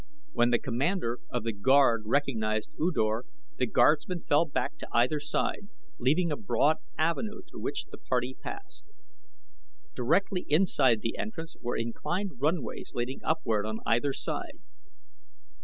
When the commander of the guard recognized U Dor the guardsmen fell back to either side leaving a broad avenue through which the party passed. Directly inside the entrance were inclined runways leading upward on either side.